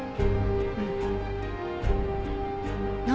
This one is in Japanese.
うん。